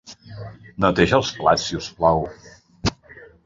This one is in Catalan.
Neteja els plats, si us plau.